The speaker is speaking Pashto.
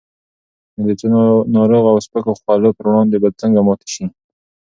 نو د څو ناروغو او سپکو خولو پر وړاندې به څنګه ماته شي؟